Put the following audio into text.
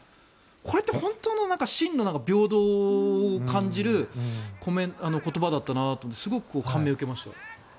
これって本当の真の平等を感じる言葉だったなと思ってすごく感銘を受けました。